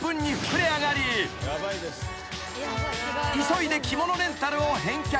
［急いで着物レンタルを返却］